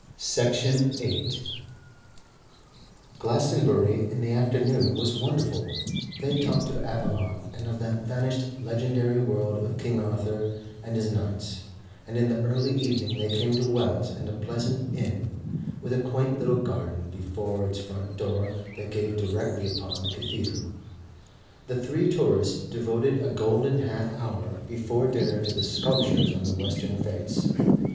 Section 8 Glastonbury in the afternoon was wonderful; they talked of Avalon and of that vanished legendary world of King Arthur and his knights, and in the early evening they came to Wells and a pleasant inn, with a quaint little garden before its front door that gave directly upon the cathedral. The three tourists devoted a golden half hour before dinner to the sculptures on the western face.